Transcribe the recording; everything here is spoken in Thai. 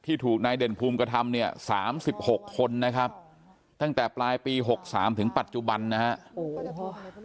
ถูกนายเด่นภูมิกระทำเนี่ย๓๖คนนะครับตั้งแต่ปลายปี๖๓ถึงปัจจุบันนะครับ